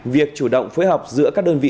việc chủ động phối hợp giữa các cấp đối với công an